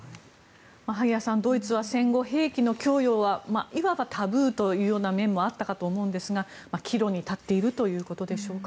萩谷さん、ドイツは戦後兵器の供与はいわばタブーという面もあると思いますが岐路に立っているということでしょうか。